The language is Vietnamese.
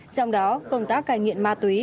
trong đó công tác cài nghiện ma túy